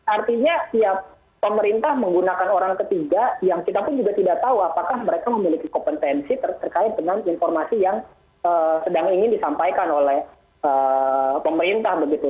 artinya tiap pemerintah menggunakan orang ketiga yang kita pun juga tidak tahu apakah mereka memiliki kompetensi terkait dengan informasi yang sedang ingin disampaikan oleh pemerintah begitu